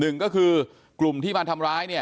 หนึ่งก็คือกลุ่มที่มาทำร้ายเนี่ย